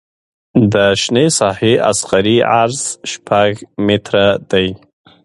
د شنې ساحې اصغري عرض شپږ متره دی